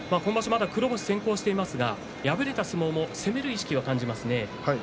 まだ黒星先行ですが敗れた相撲も攻める意識を感じますね。